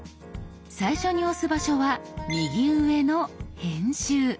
最初に押す場所は右上の「編集」。